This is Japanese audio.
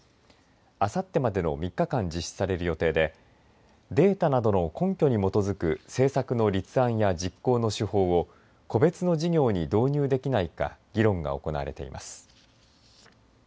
あさってまでの３日間実施される予定でデータなどの根拠に基づく政策の立案や実行の手法を個別の事業に導入できないか議論が行われています。